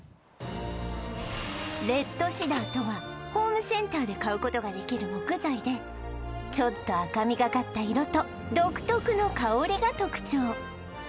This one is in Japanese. レッドシダーとはホームセンターで買う事ができる木材でちょっと赤みがかった色と独特の香りが特徴